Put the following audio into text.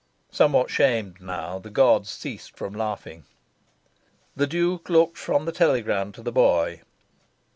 Somewhat shamed now, the gods ceased from laughing. The Duke looked from the telegram to the boy.